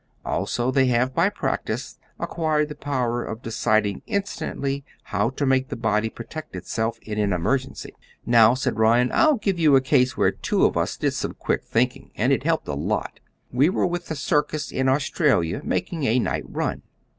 Also they have by practice acquired the power of deciding instantly how to make the body protect itself in an emergency. "Now," said Ryan, "I'll give you a case where two of us did some quick thinking, and it helped a lot. We were with a circus in Australia, making a night run.